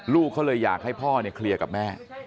ลูกเขาเลยอยากให้พ่อเนี่ยเคลียร์กับแม่